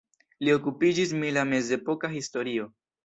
Li okupiĝis mi la mezepoka historio.